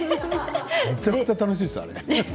めちゃくちゃ楽しいですよ、あれ。